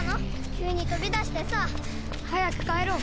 急に飛び出してさ早く帰ろう。